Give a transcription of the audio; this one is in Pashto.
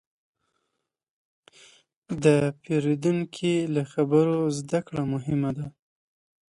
د پیرودونکي له خبرو زدهکړه مهمه ده.